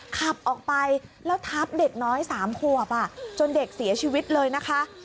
ขับออกไปแล้วทับเด็กน้อย๓ขวบจนเด็กเสียชีวิตเลยนะคะ